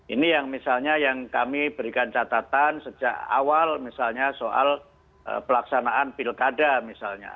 ini yang misalnya yang kami berikan catatan sejak awal misalnya soal pelaksanaan pilkada misalnya